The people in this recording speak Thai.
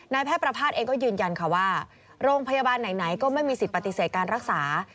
แพทย์ประภาษณเองก็ยืนยันค่ะว่าโรงพยาบาลไหนก็ไม่มีสิทธิปฏิเสธการรักษา